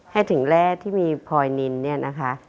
ให้ถึงแร่ที่มีพลอยนินเนี่ยนะคะ